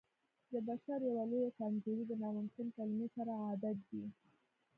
د بشر يوه لويه کمزوري د ناممکن کلمې سره عادت دی.